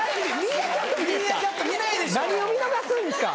何を見逃すんですか。